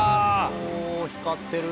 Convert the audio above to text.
おお光ってる。